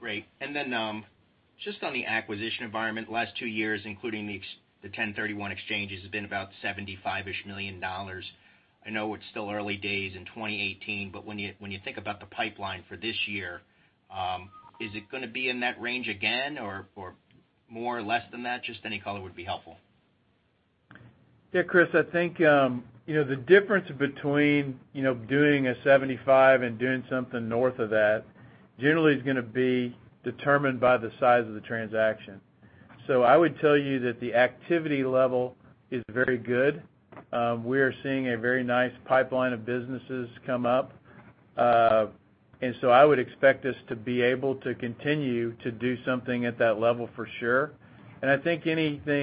Great. Just on the acquisition environment, the last two years, including the 1031 exchanges, have been about $75-ish million. I know it's still early days in 2018, when you think about the pipeline for this year, is it going to be in that range again or more, less than that? Just any color would be helpful. Chris, I think the difference between doing a 75 and doing something north of that generally is going to be determined by the size of the transaction. I would tell you that the activity level is very good. We are seeing a very nice pipeline of businesses come up. I would expect us to be able to continue to do something at that level for sure. I think if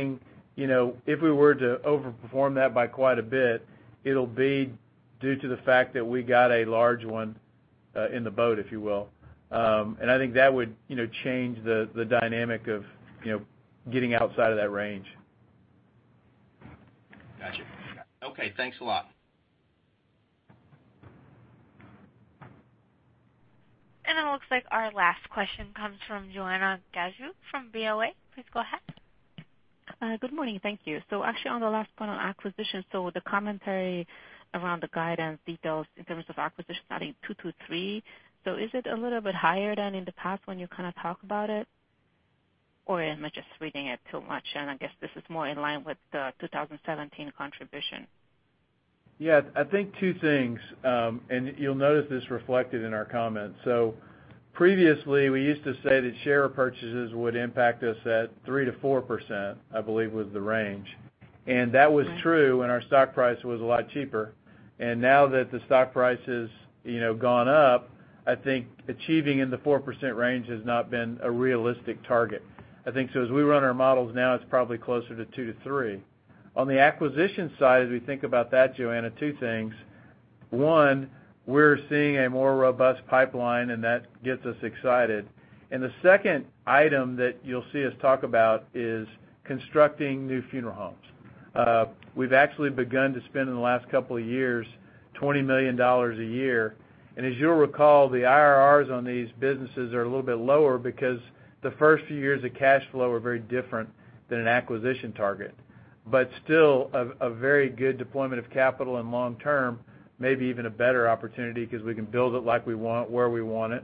we were to over-perform that by quite a bit, it'll be due to the fact that we got a large one in the boat, if you will. I think that would change the dynamic of getting outside of that range. Got you. Okay, thanks a lot. It looks like our last question comes from Joanna Gajuk from BOA. Please go ahead. Good morning. Thank you. Actually on the last point on acquisition, the commentary around the guidance details in terms of acquisition adding two to three. Is it a little bit higher than in the past when you kind of talk about it? Or am I just reading it too much, and I guess this is more in line with the 2017 contribution? Yeah, I think two things. You'll notice this reflected in our comments. Previously, we used to say that share purchases would impact us at 3%-4%, I believe was the range. That was true when our stock price was a lot cheaper. Now that the stock price has gone up, I think achieving in the 4% range has not been a realistic target. As we run our models now, it's probably closer to 2-3. On the acquisition side, as we think about that, Joanna, two things. One, we're seeing a more robust pipeline, and that gets us excited. The second item that you'll see us talk about is constructing new funeral homes. We've actually begun to spend, in the last couple of years, $20 million a year. As you'll recall, the IRRs on these businesses are a little bit lower because the first few years of cash flow are very different than an acquisition target. Still a very good deployment of capital and long term, maybe even a better opportunity because we can build it like we want, where we want it.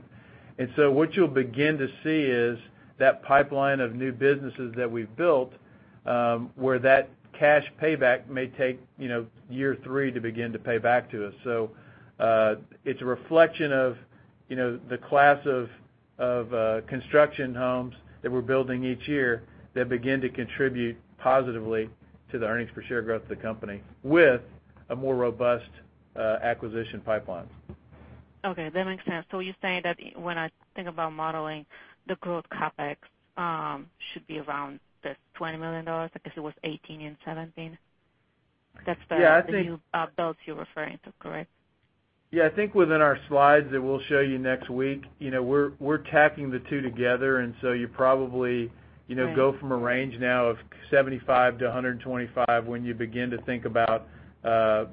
What you'll begin to see is that pipeline of new businesses that we've built, where that cash payback may take year 3 to begin to pay back to us. It's a reflection of the class of construction homes that we're building each year that begin to contribute positively to the earnings per share growth of the company with a more robust acquisition pipeline. Okay, that makes sense. You're saying that when I think about modeling, the growth CapEx should be around the $20 million. I guess it was $18 million in 2017. Yeah. new builds you're referring to, correct? I think within our slides that we'll show you next week, we're tacking the two together, so you probably go from a range now of $75 million-$125 million when you begin to think about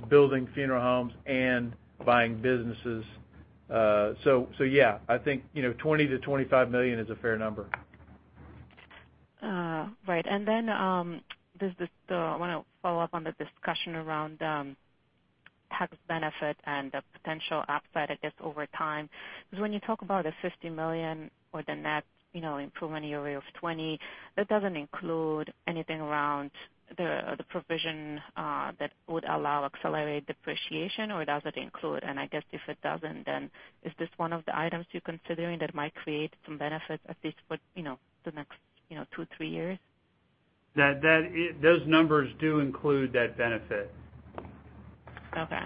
building funeral homes and buying businesses. I think $20 million-$25 million is a fair number. Right. I want to follow up on the discussion around tax benefit and the potential upside, I guess, over time. Because when you talk about the $50 million or the net improvement yearly of $20 million, that doesn't include anything around the provision that would allow accelerated depreciation, or does it include? I guess if it doesn't, then is this one of the items you're considering that might create some benefits, at least for the next two, three years? Those numbers do include that benefit. Okay.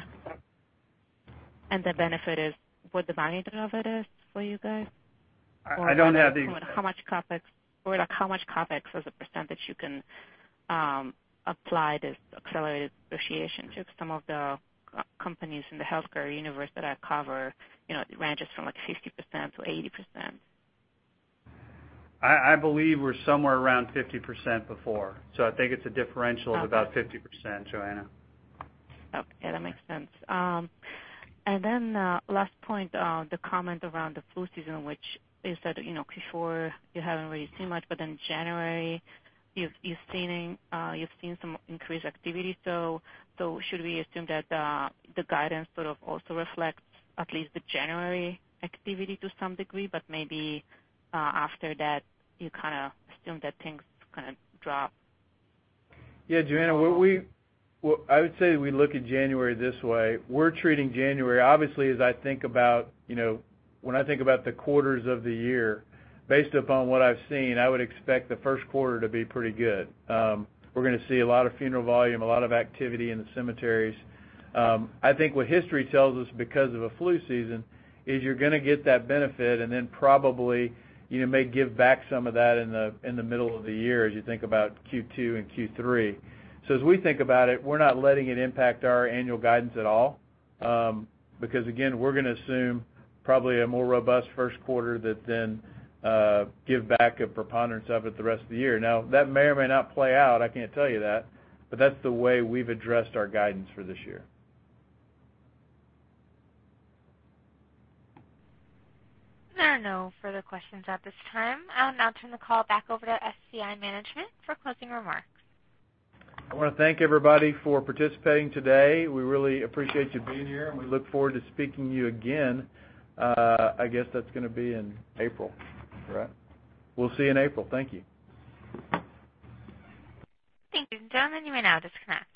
The benefit is what the magnitude of it is for you guys? I don't have. How much CapEx as a percentage you can apply this accelerated depreciation to some of the companies in the healthcare universe that I cover. It ranges from 50%-80%. I believe we're somewhere around 50% before. I think it's a differential of about 50%, Joanna. Okay. That makes sense. Last point, the comment around the flu season, which is that Q4, you haven't really seen much, but then January, you've seen some increased activity. Should we assume that the guidance sort of also reflects at least the January activity to some degree, but maybe after that, you kind of assume that things kind of drop? Yeah, Joanna, I would say we look at January this way. We're treating January, obviously, when I think about the quarters of the year, based upon what I've seen, I would expect the first quarter to be pretty good. We're going to see a lot of funeral volume, a lot of activity in the cemeteries. I think what history tells us because of a flu season is you're going to get that benefit and then probably may give back some of that in the middle of the year as you think about Q2 and Q3. As we think about it, we're not letting it impact our annual guidance at all. Again, we're going to assume probably a more robust first quarter that then give back a preponderance of it the rest of the year. That may or may not play out, I can't tell you that, but that's the way we've addressed our guidance for this year. There are no further questions at this time. I'll now turn the call back over to SCI Management for closing remarks. I want to thank everybody for participating today. We really appreciate you being here. We look forward to speaking to you again. I guess that's going to be in April, correct? We'll see you in April. Thank you. Thank you. Gentlemen, you may now disconnect.